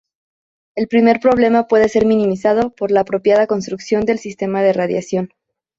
El primer problema puede ser minimizado por la apropiada construcción del sistema de radiación.